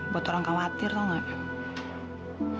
buat orang khawatir tau gak